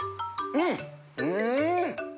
うん！